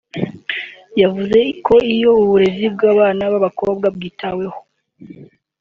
yavuze ko iyo uburezi bw’abana b’abakobwa bwitaweho